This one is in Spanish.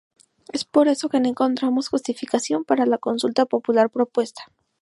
Es por eso que no encontramos justificación para la consulta popular propuesta.